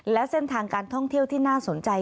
และเส้นทางการท่องเที่ยวที่น่าสนใจ